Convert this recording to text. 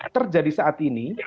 terjadi saat ini